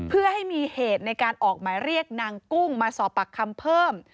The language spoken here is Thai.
เพื่อให้มีเหตุในการออกหมายเรียกนางกุ้งมาสอบปากคำเพิ่ม